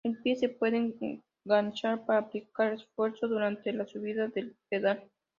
El pie se puede enganchar para aplicar esfuerzo durante la subida del pedal.